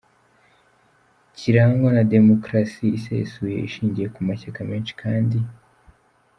kirangwa na demokarasi isesuye, ishingiye ku mashyaka menshi kandi